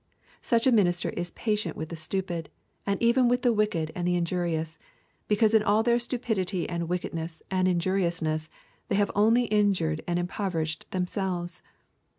Such a minister is patient with the stupid, and even with the wicked and the injurious, because in all their stupidity and wickedness and injuriousness they have only injured and impoverished themselves.